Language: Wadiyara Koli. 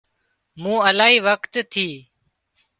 مون الاهي وکت ٿِي